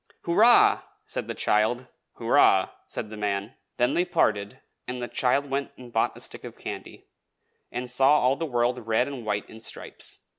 "Hurrah!" said the child. "Hurrah!" said the man. Then they parted, and the child went and bought a stick of candy, and saw all the world red and white in stripes.